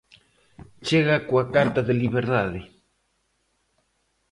Chega coa carta de liberdade.